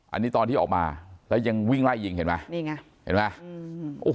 อันนี้ตอนที่ออกมาแล้วยังวิ่งไล่ยิงเห็นไหมนี่ไงเห็นไหม